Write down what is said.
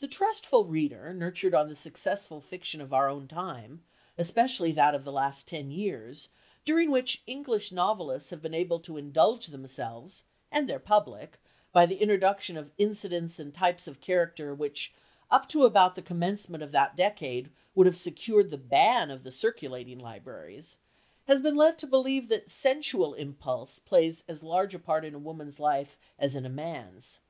The trustful reader nurtured on the successful fiction of our own time, especially that of the last ten years, during which English novelists have been able to indulge themselves and their public by the introduction of incidents and types of character which up to about the commencement of that decade would have secured the ban of the circulating libraries, has been led to believe that sensual impulse plays as large a part in woman's life as in man's.